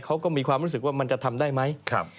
เขาก็มีความรู้สึกว่ามันจะทำได้ไหม